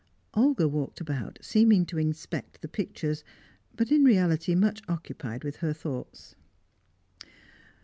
Olga walked about, seeming to inspect the pictures, but in reality much occupied with her thoughts.